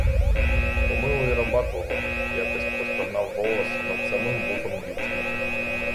Помилуй раба твого!— якось простогнав голос над самим вухом дівчини.